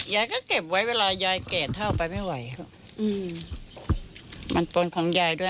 ยายก็เก็บไว้เวลายายแก่เท่าไปไม่ไหวครับอืมมันปนของยายด้วย